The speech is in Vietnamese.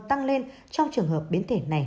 tăng lên trong trường hợp biến thể này